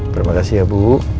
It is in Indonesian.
terima kasih ya bu